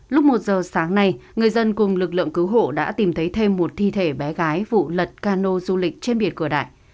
lúc một giờ sáng nay người dân cùng lực lượng cứu hộ đã tìm thấy thêm một thi thể bé gái vụ lật cano du lịch trên biển cửa đại